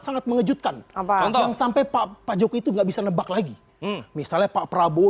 sangat mengejutkan apa yang sampai pak jokowi itu nggak bisa nebak lagi misalnya pak prabowo